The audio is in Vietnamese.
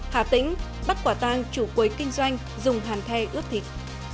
hà tĩnh bắt quả tang chủ quấy kinh doanh dùng hàn khe ướp thịt